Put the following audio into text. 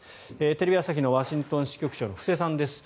テレビ朝日のワシントン支局長の布施さんです。